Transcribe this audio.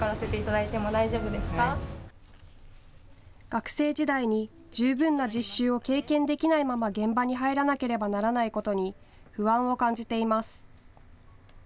学生時代に十分な実習を経験できないまま現場に入らなければならないことに不安を感じています。